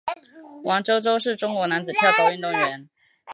王舟舟是中国男子跳高运动员。